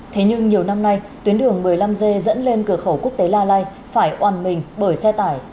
thế nhưng nhiều năm nay tuyến đường một mươi năm g dẫn lên cửa khẩu quốc tế la lai phải oàn mình bởi xe tải